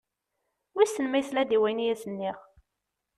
Wissen ma yesla-d i wayen i as-nniɣ?